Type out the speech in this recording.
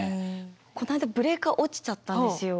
こないだブレーカー落ちちゃったんですよ。